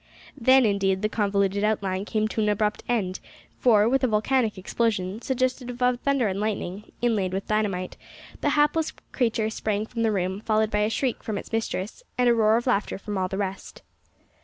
Then, indeed, the convoluted outline came to an abrupt end; for, with a volcanic explosion, suggestive of thunder and lightning, inlaid with dynamite, the hapless creature sprang from the room, followed by a shriek from its mistress, and a roar of laughter from all the rest.